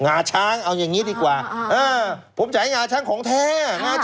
หงาช้างเอาอย่างนี้ดีกว่าผมจ่ายหงาช้างของแท้